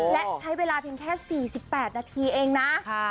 และใช้เวลาเพียงแค่๔๘นาทีเองนะ